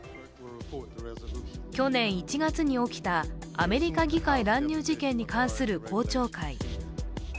去年１月に起きたアメリカ議会乱入事件に関する公聴会。